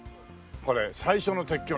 これ最初の鉄橋。